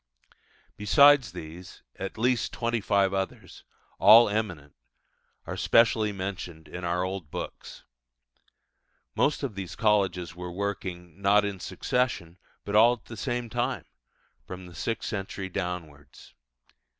Besides these, at least twenty five others, all eminent, are specially mentioned in our old books. Most of these colleges were working, not in succession, but all at the same time, from the sixth century downwards.